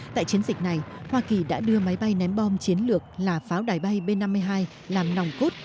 tại chiến dịch này hoa kỳ đã đưa máy bay ném bom chiến lược là pháo đài bay b năm mươi hai làm nòng cốt